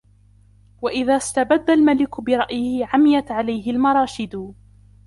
وَإِذَا اسْتَبَدَّ الْمَلِكُ بِرَأْيِهِ عَمِيَتْ عَلَيْهِ الْمَرَاشِدُ